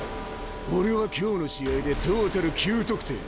俺は今日の試合でトータル９得点。